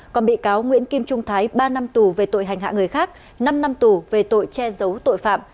còn bị cáo nguyễn kim trung thái ba năm tù về tội hành hạ người khác năm năm tù về tội che giấu tội phạm